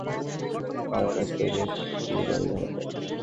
কিন্তু বাড়ির মালিকেরা বেশি ভাড়া পাওয়ার আশায় মেস হিসিবে বাড়ি ভাড়া দেন।